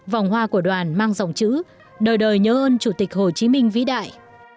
vòng hoa của đoàn mang dòng chữ đời đời nhớ ơn chủ tịch hồ chí minh vĩ đại